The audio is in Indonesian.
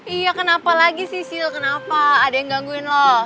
iya kenapa lagi sih sil kenapa ada yang gangguin loh